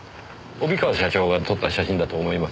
帯川社長が撮った写真だと思います。